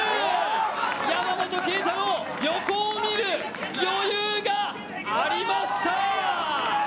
山本桂太朗、横を見る余裕がありました。